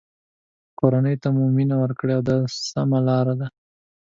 کورنۍ ته مو مینه ورکړئ دا سمه لاره ده.